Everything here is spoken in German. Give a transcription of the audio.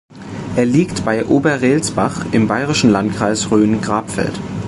Er liegt bei Oberelsbach im bayerischen Landkreis Rhön-Grabfeld.